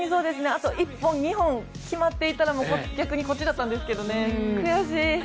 あと１本、２本決まっていたら逆にこっちだったんですけどね、悔しい。